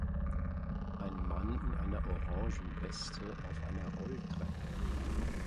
Ein Mann in einer orangen Weste auf einer Rolltreppe.